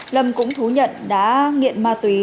lâm cũng thú nhận đã nghiện ma túy